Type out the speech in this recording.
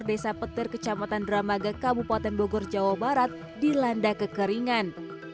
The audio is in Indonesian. desa petir kecamatan dramaga kabupaten bogor jawa barat dilanda kekeringan